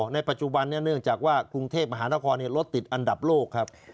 ในปัจจุบันเนื่องจากว่ากรุงเทพมหานครรถติดอันดับโลกครับ